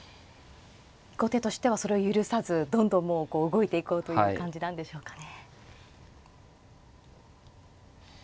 後手としてはそれを許さずどんどんもう動いていこうという感じなんでしょうかね。